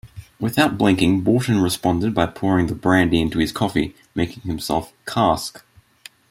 Without blinking Borten responded by pouring the brandy into his coffee, making himself "karsk".